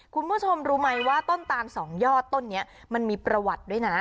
คุณผู้ชมรู้ไหมว่าต้นตาลสองยอดต้นนี้มันมีประวัติด้วยนะ